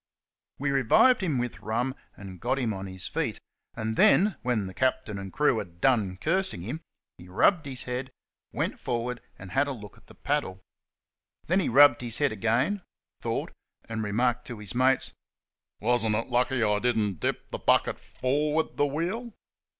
We revived him with 64 THE DARLING RIVER rum and got him on his feet ; and then, 'when the captain and crew had done cursing him, he rubbed his head, went forward, and had a look at the paddle ; then he rubbed his head again, thought, and remarked to his mates :" Wasn't it lucky I didn't dip that bucket forward the wheel?"